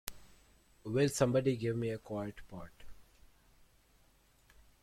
Will somebody give me a quart pot?